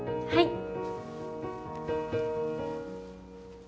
はい。